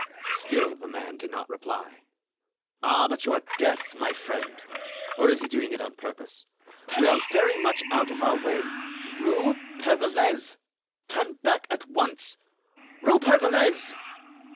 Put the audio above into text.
Still the man did not reply. "Ah! but you are deaf, my friend. Or is he doing it on purpose? We are very much out of our way.... Rue Pergolese!... Turn back at once!... Rue Pergolese!"